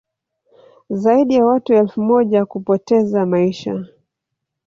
zaidi ya watu elfu moja kupoteza maisha